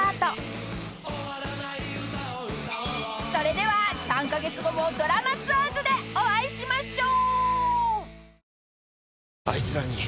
［それでは３カ月後も『ドラマツアーズ』でお会いしましょう］